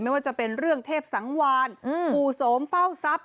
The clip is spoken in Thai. ไม่ว่าจะเป็นเรื่องเทพสังวานปู่โสมเฝ้าทรัพย